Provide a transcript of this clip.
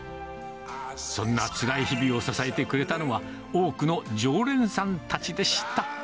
そんなつらい日々を支えてくれたのは、多くの常連さんたちでした。